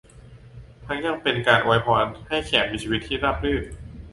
ทั้งยังเป็นการอวยพรให้แขกมีชีวิตที่ราบรื่น